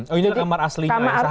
oh ini kamar aslinya yang seharusnya